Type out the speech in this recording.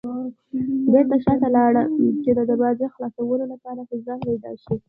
بېرته شاته لاړل چې د دراوزو خلاصولو لپاره فضا پيدا شي.